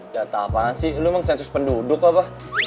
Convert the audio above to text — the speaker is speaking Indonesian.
data apaan sih lo emang sensus penduduk apa